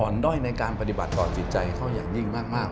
ด้อยในการปฏิบัติต่อจิตใจเขาอย่างยิ่งมาก